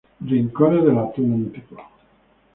Rincones del Atlántico.